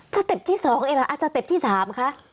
สเต็ปที่สองไอ้ล่ะสเต็ปที่สามคะ